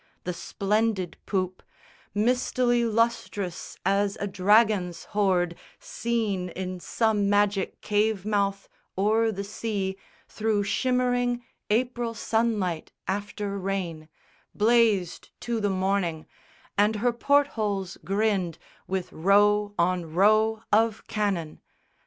The splendid poop, Mistily lustrous as a dragon's hoard Seen in some magic cave mouth o'er the sea Through shimmering April sunlight after rain, Blazed to the morning; and her port holes grinned With row on row of cannon.